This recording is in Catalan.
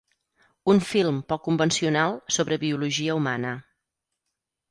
Un film poc convencional sobre Biologia humana.